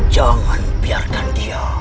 jangan biarkan dia